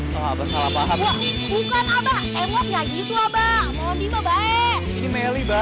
wah abah salah paham